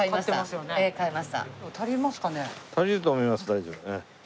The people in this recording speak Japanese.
大丈夫。